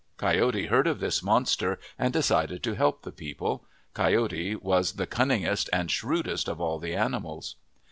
Coyote heard of this monster and de cided to help the people. Coyote was the cunning est and shrewdest of all the animals.